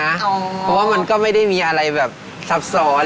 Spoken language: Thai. เพราะว่ามันก็ไม่ได้มีอะไรแบบซับซ้อน